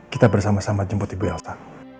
kita bersama sama jemput ibu elsa